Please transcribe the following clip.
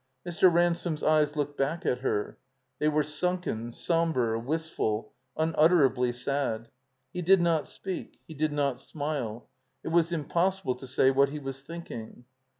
Mr. Ransome's eyes looked back at her. TTiey were stmken, somber, wistftd, tmutterably sad. He did not speak. He did not smile. It was impossible to say what he was thinking.